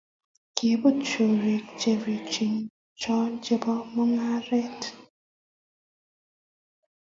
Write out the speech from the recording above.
Kiput choriik koriikcho chebo mungaret